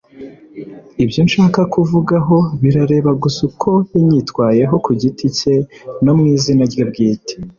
Ibyo nshaka kuvugaho birareba gusa uko yanyitwayeho ku giti cye no mw’izina rye bwite